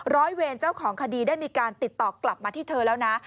ร้อยเวรเจ้าของคดีได้มีการติดต่อกลับมาที่เธอแล้วนะ